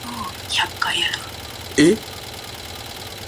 Charleson also had leading roles in a number of unsuccessful television pilots.